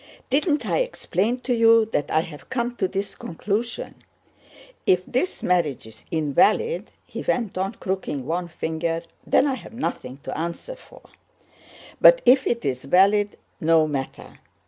"Didn't I explain to you that I have come to this conclusion: if this marriage is invalid," he went on, crooking one finger, "then I have nothing to answer for; but if it is valid, no matter!